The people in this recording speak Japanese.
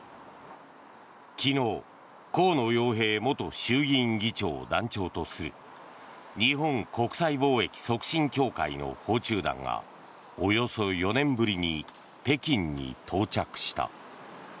昨日、河野洋平元衆議院議長を団長とする日本国際貿易促進協会の訪中団がおよそ４年ぶりに北京に到着した。